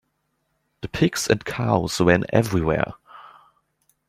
The pigs and cows ran everywhere.